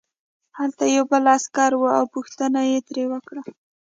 هلته یو بل عسکر و او پوښتنه یې ترې وکړه